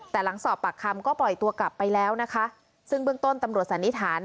แต่หลังสอบปากคำก็ปล่อยตัวกลับไปแล้วนะคะซึ่งเบื้องต้นตำรวจสันนิษฐาน